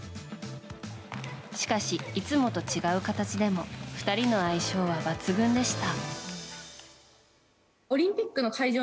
しかし、いつもと違う形でも２人の相性は抜群でした。